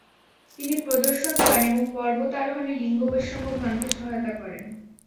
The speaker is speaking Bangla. তিনি প্রদর্শন করেন এবং পর্বত আরোহণে লিঙ্গবৈষম্য ভাঙ্গতে সহায়তা করেন।